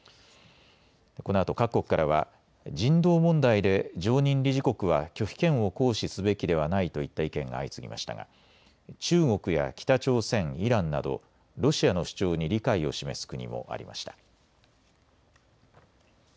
このあと各国からは人道問題で常任理事国は拒否権を行使すべきではないといった意見が相次ぎましたが中国や北朝鮮、イランなどロシアの主張に理解を示す国もありました。